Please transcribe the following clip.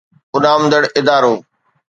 اڏامندڙ ادارو